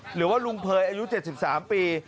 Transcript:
หรือว่าลุงเภยอายุ๗๓ปี